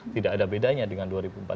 tidak ada bedanya dengan dua ribu empat belas